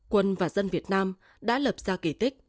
quân và dân việt nam đã lập ra kỳ tích